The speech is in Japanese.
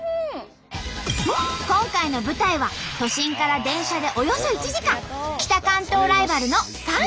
今回の舞台は都心から電車でおよそ１時間北関東ライバルの３県。